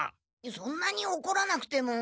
そんなにおこらなくても。